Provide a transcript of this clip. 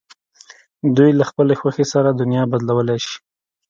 دوی له خپلې خوښې سره دنیا بدلولای شي.